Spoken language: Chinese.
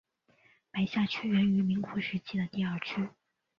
白下区源于民国时期的第二区。